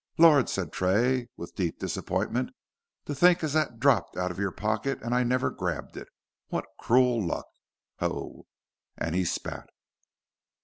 Lor'," said Tray, with deep disappointment, "to think as that dropped out of your pocket and I never grabbed it. Wot crewel luck ho!" and he spat.